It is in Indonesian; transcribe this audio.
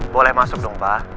boleh masuk dong pak